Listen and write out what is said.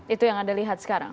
itu yang anda lihat sekarang